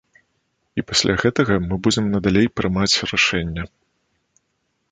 І пасля гэтага мы будзем надалей прымаць рашэнне.